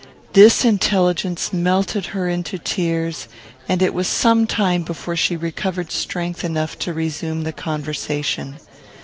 This intelligence melted her into tears, and it was some time before she recovered strength enough to resume the conversation.